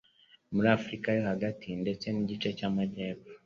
Muri Afurika yo Hagati ndetse n'igice cy'Amajyepfo